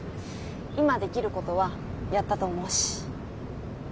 今できることはやったと思うし。